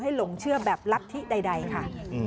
ให้ลงเชื่อแบบลับที่ใดค่ะ